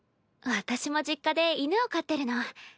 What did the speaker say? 私も実家で犬を飼ってるの。